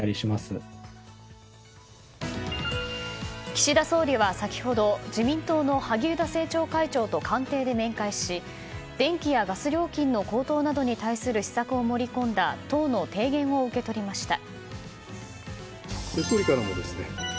岸田総理は先ほど、自民党の萩生田政調会長と官邸で面会し、電気やガス料金の高騰などに対する施策を盛り込んだ党の提言を受け取りました。